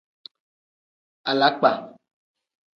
Alakpa.